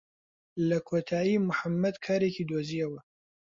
لە کۆتایی موحەممەد کارێکی دۆزییەوە.